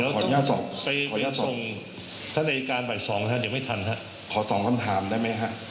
ขอสองคำถามได้มั้ยครับ